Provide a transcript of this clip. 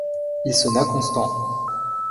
Il sonna Constant.